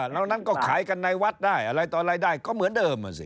แล้วนั้นก็ขายกันในวัดได้อะไรต่อรายได้ก็เหมือนเดิมอ่ะสิ